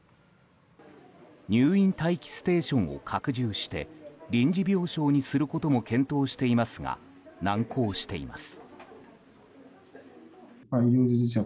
入院待機ステーションを拡充して臨時病床にすることも検討していますが難航しています。